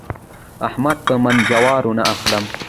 احمد په من جوارو نه اخلم.